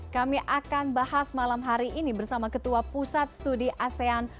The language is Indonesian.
kami akan bahas malam hari ini bersama ketua pusat studi asean